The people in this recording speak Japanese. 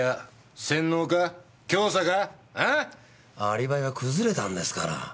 アリバイが崩れたんですから。